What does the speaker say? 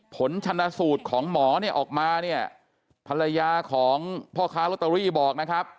ผลชนสูตรของหมอเนี่ยออกมาเนี่ยภรรยาของพ่อค้าลอตเตอรี่บอกนะครับ